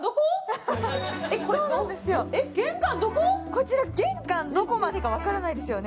こちら玄関どこまでか分からないですよね。